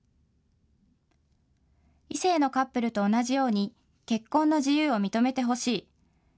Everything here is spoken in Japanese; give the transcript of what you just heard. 異性のカップルと同じように、結婚の自由を認めてほしい。